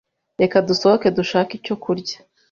Reka dusohoke dushake icyo kurya.